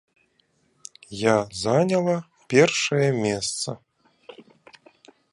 Я заняла першае месца.